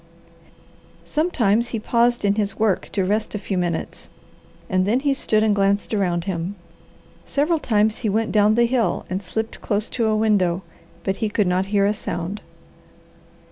Sometimes he paused in his work to rest a few minutes and then he stood and glanced around him. Several times he went down the hill and slipped close to a window, but he could not hear a sound.